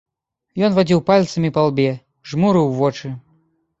Ён вадзіў пальцамі па лбе, жмурыў вочы.